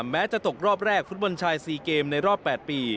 แม้จะตกรอบแรกฟุตบอลชาย๔เกมในรอบ๘ปี